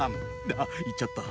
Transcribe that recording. あ言っちゃった。